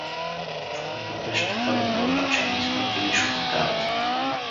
Човекът беше така добър, че ни изпрати лично на гарата.